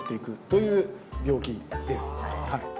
という病気です。はあ。